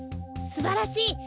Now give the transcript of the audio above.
すばらしい！